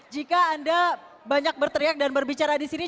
jika anda banyak berteriak dan berbicara di sini